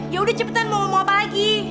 yaudah cepetan mau ngomong apa lagi